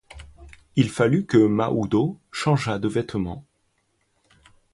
Il fallut que Mahoudeau changeât de vêtements.